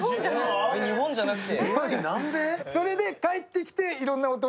日本じゃなくて？